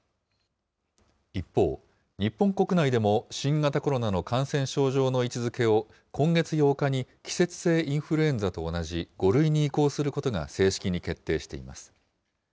一方、日本国内でも新型コロナの感染症上の位置づけを、今月８日に季節性インフルエンザと同じ５類に移行することが正式に決定しています。